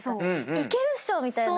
いけるっしょ！みたいな。